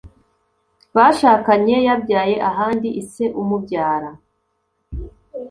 Bashakanye yabyaye ahandi ise umubyara